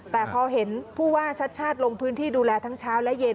แต่พอเห็นผู้ว่าชัดชาติลงพื้นที่ดูแลทั้งเช้าและเย็น